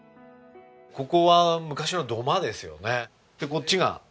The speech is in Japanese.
ここは昔の土間ですよね。